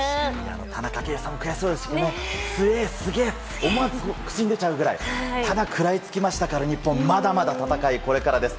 田中圭さん、悔しそうでしたけど、つえー、すげー、思わず口に出ちゃうぐらい、ただ食らいつきましたから、日本、まだまだ戦い、これからです。